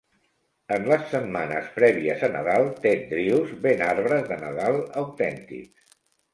En les setmanes prèvies a Nadal, Ted Drewes ven arbres de Nadal autèntics.